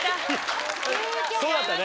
そうだったね。